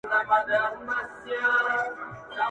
• سره او سپین زر له اسمانه پر چا نه دي اورېدلي -